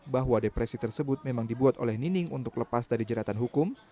bahwa depresi tersebut memang dibuat oleh nining untuk lepas dari jeratan hukum